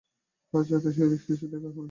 আজ রাতে সেন্ট অ্যালেক্সিসে দেখা হবে।